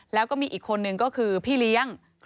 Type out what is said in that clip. แล้วก็มีอีกคนนึงก็คือพี่เลี้ยง